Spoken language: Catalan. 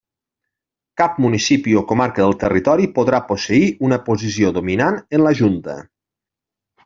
Cap municipi o comarca del territori podrà posseir una posició dominant en la Junta.